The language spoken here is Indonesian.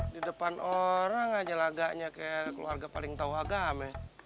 di depan orang aja laganya kayak keluarga paling tahu agama